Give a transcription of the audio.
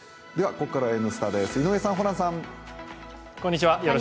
ここからは「Ｎスタ」です、井上さん、ホランさん。